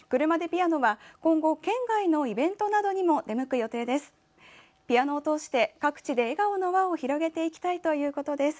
ｄｅピアノは今後、県外のイベントなどにも出向く予定です。